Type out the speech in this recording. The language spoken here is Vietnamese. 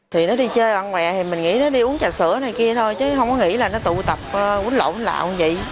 thì nó đi chơi ăn ngoài thì mình nghĩ nó đi uống trà sữa này kia thôi chứ không có nghĩ là nó tụ tập quýt lộn lạ cũng vậy